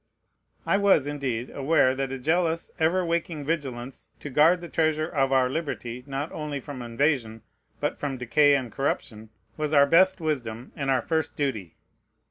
I was, indeed, aware that a jealous, ever waking vigilance, to guard the treasure of our liberty, not only from invasion, but from decay and corruption, was our best wisdom and our first duty.